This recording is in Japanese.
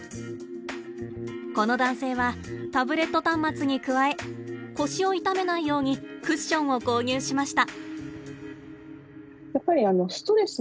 この男性はタブレット端末に加え腰を痛めないようにクッションを購入しました。